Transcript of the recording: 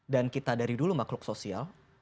dan kita dari dulu makhluk sosial